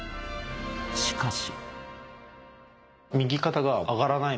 しかし。